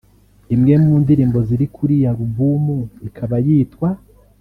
Imwe mu ndirimbo ziri kuri iyi Alubumu ikaba yitwa